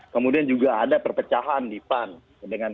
kemudian juga ada perpecahan di pan